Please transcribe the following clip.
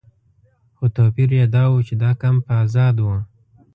خو توپیر یې دا و چې دا کمپ آزاد و.